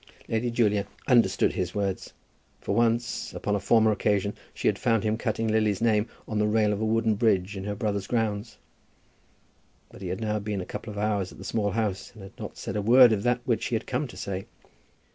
Lady Julia understood his words; for once, upon a former occasion, she had found him cutting Lily's name on the rail of a wooden bridge in her brother's grounds. But he had now been a couple of hours at the Small House, and had not said a word of that which he had come to say.